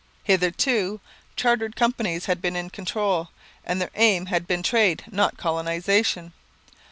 Hitherto chartered companies had been in control, and their aim had been trade, not colonization.